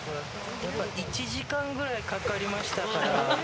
１時間ぐらいかかりましたから。